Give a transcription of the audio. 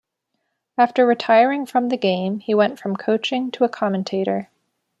After retiring from the game he went from coaching to a commentator.